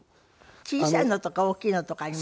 小さいのとか大きいのとかあります。